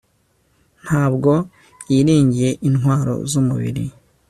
ntabwo yiringiye intwaro zumubiri